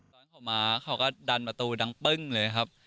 ตอนเขามาเขาก็ดันประตูดังปึ้งเลยครับ